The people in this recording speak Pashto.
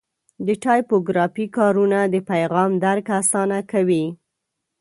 د ټایپوګرافي کارونه د پیغام درک اسانه کوي.